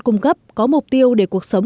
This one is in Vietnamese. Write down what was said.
cung cấp có mục tiêu để cuộc sống